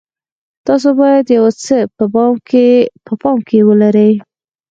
تاسو باید یو څه په پام کې ولرئ.